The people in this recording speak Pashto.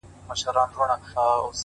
بریالي خلک له ماتې درس اخلي,